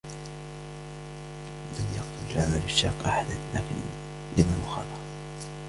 لم يقتل العمل الشاق أحدًا. لكن لم المخاطرة ؟!